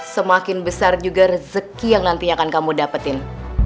semakin besar juga rezeki yang nantinya akan kamu dapetin